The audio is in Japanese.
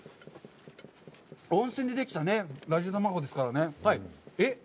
温泉でできたラジウム玉子ですからね。